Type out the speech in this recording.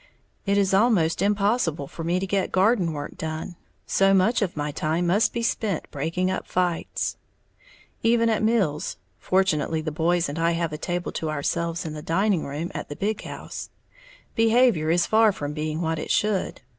It is almost impossible for me to get garden work done, so much of my time must be spent breaking up fights. Even at meals (fortunately the boys and I have a table to ourselves in the dining room at the big house) behavior is far from being what it should.